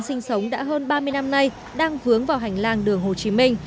gia đình sống đã hơn ba mươi năm nay đang hướng vào hành lang đường hồ chí minh